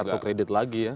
buat kartu kredit lagi ya